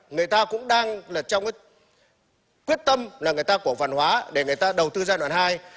người ta cũng đang trong quyết tâm là người ta của văn hóa để người ta đầu tư giai đoạn hai